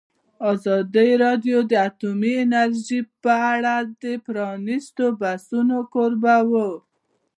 ازادي راډیو د اټومي انرژي په اړه د پرانیستو بحثونو کوربه وه.